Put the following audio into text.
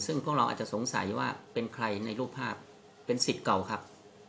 ซึ่งพวกเราอาจจะสงสัยว่าเป็นใครในรูปภาพเป็นสิทธิ์เก่าครับ